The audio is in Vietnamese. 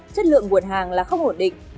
chất lượng muộn hàng là không ổn định